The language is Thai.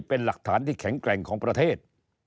เป็นหลักฐานที่แข็งแกร่งของประเทศ